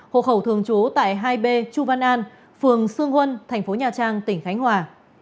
hộ khẩu thường trú tại hai b chu văn an phường sương huân tp nha trang tỉnh khánh hòa